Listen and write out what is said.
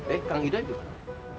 eh kang ida juga